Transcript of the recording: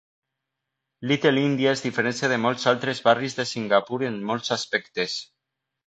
Little India es diferencia de molts altres barris de Singapur en molts aspectes.